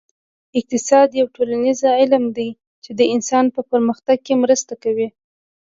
اقتصاد یو ټولنیز علم دی چې د انسان په پرمختګ کې مرسته کوي